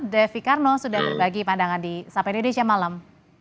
devi karno sudah berbagi pandangan di sapa indonesia malam